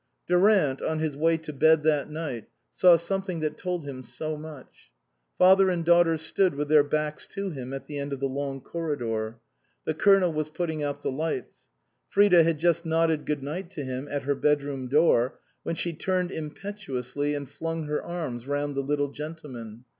Durant, on his way to bed that night, saw something that told him so much. Father and daughter stood with their backs to him at the end of the long corridor. The Colonel was put ting out the lights. Frida had just nodded good night to him at her bedroom door, when she turned impetuously and flung her arms round the little gentleman.